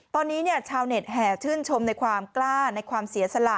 ตอนนี้ชาวเน็ตแห่ชื่นชมในความกล้าในความเสียสละ